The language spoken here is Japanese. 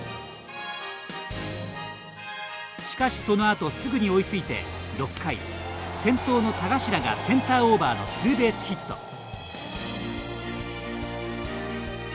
しかし、その後すぐに追いついて６回、先頭の田頭がセンターオーバーのツーベースヒット。